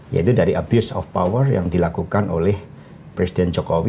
yaitu dari abuse of power yang dilakukan oleh presiden jokowi